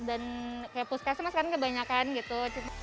dan kayak puskesmas kan kebanyakan gitu